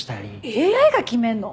ＡＩが決めんの？